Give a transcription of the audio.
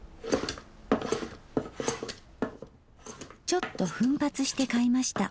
ちょっと奮発して買いました